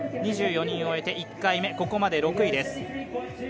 ２４人終えて、１回目ここまで６位です。